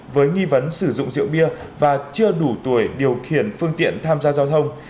vẫn sử dụng rượu bia và chưa đủ tuổi điều khiển phương tiện tham gia giao thông